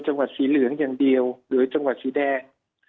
จังหวัดสีเหลืองอย่างเดียวหรือจังหวัดสีแดง